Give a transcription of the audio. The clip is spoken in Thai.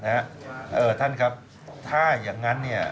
เออท่านครับถ้าอย่างนั้น